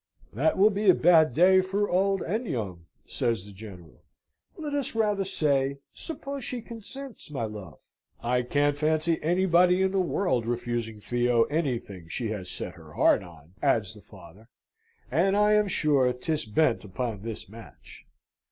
"That will be a bad day for old and young," says the General, "Let us rather say, suppose she consents, my love? I can't fancy anybody in the world refusing Theo anything she has set her heart on," adds the father: "and I am sure 'tis bent upon this match."